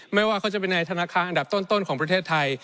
ไม่ว่าเขาจะเป็นในธนาคารอันดับต้นของประเทศไทย